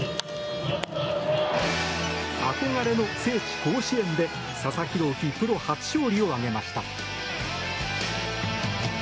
憧れの聖地・甲子園で佐々木朗希プロ初勝利を挙げました。